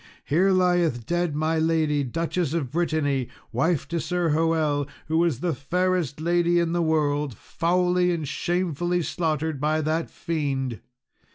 Here lieth dead my lady, Duchess of Brittany, wife to Sir Hoel, who was the fairest lady in the world, foully and shamefully slaughtered by that fiend!